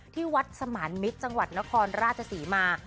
ที่วัดสมานมิตรจังหวัดนครราชศรีมา